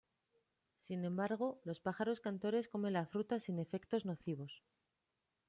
Sin embargo, los pájaros cantores comen la fruta sin efectos nocivos.